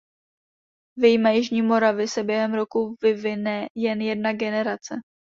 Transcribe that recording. Vyjma jižní Moravy se během roku vyvine jen jedna generace.